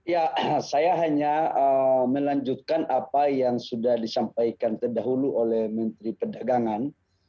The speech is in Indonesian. ya saya hanya melanjutkan apa yang sudah disampaikan terdahulu oleh menteri perdagangan